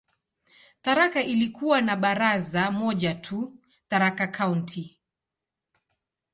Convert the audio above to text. Tharaka ilikuwa na baraza moja tu, "Tharaka County".